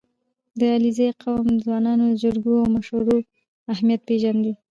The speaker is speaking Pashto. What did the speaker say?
• د علیزي قوم ځوانان د جرګو او مشورو اهمیت پېژني.